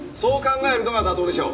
そう考えるのが妥当でしょう。